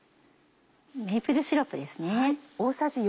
メープルシロップですね。